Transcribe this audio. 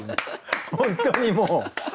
本当にもう。